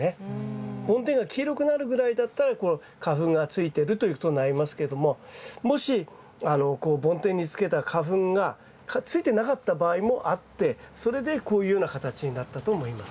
梵天が黄色くなるぐらいだったら花粉がついてるということになりますけどももしこう梵天につけた花粉がついてなかった場合もあってそれでこういうような形になったと思います。